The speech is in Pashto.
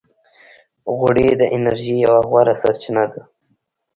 غوړې د انرژۍ یوه غوره سرچینه ده.